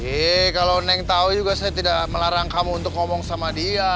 eh kalau neng tahu juga saya tidak melarang kamu untuk ngomong sama dia